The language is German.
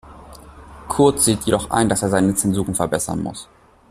Kurt sieht jedoch ein, dass er seine Zensuren verbessern muss.